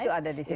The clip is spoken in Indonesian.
itu ada di situ